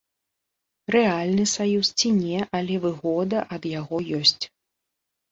Рэальны саюз ці не, але выгода ад яго ёсць.